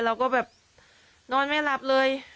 เราก็แบบนอนไม่หลับเลย